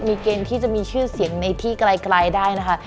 มีเกณฑ์ที่จะมีชื่อเสียงในที่ไกลได้นะคะ